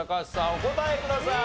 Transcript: お答えください。